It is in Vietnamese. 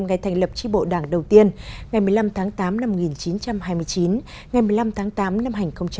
ngày thành lập tri bộ đảng đầu tiên ngày một mươi năm tháng tám năm một nghìn chín trăm hai mươi chín ngày một mươi năm tháng tám năm hai nghìn một mươi chín